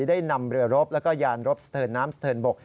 ได้นำเรือรบแล้วก็ยานรบสะเทินน้ำสะเทินบก